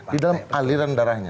di dalam aliran darahnya